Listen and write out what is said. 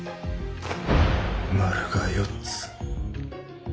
「丸が４つ」。